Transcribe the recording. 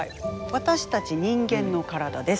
私たち人間の体です。